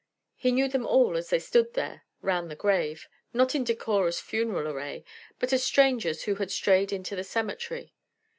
He knew them all as they stood there round the grave, not in decorous funeral array, but as strangers who had strayed into the cemetery.